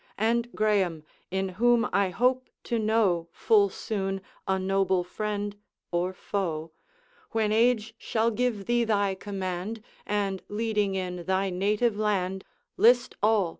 And Graeme, in whom I hope to know Full soon a noble friend or foe, When age shall give thee thy command, And leading in thy native land, List all!